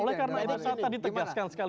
ini agak berbeda dengan bang pegah